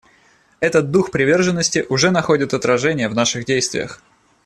Этот дух приверженности уже находит отражение в наших действиях.